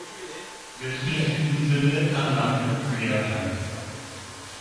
Wildnis in diesem Sinne kann Land und Meer sein.